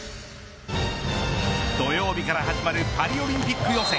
土曜日から始まるパリオリンピック予選